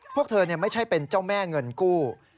พวกเธอไม่ใช่เป็นเจ้าแม่เงินกู้